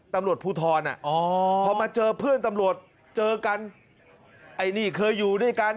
ตำรวจภูทรพอมาเจอเพื่อนตำรวจเจอกันไอ้นี่เคยอยู่ด้วยกัน